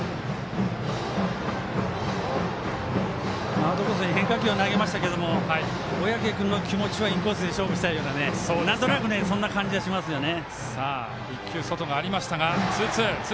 アウトコースに変化球を投げましたけど小宅君の気持ちはインコースで勝負したいようななんとなくそんな感じはしますね。